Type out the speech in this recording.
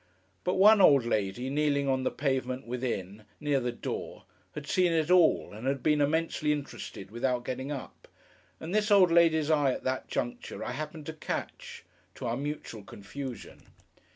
But one old lady, kneeling on the pavement within, near the door, had seen it all, and had been immensely interested, without getting up; and this old lady's eye, at that juncture, I happened to catch: to our mutual confusion.